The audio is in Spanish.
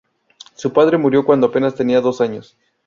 Su padre murió cuando apenas tenía dos años.